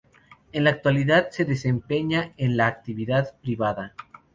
En la actualidad se desempeña en la Actividad Privada.